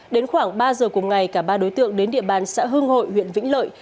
đến khoảng ba giờ cùng ngày cả ba đối tượng đến địa bàn xã hưng hội huyện vĩnh lợi